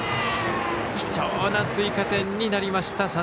貴重な追加点になりました。